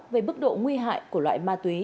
về bức độ nguy hại của loại ma túy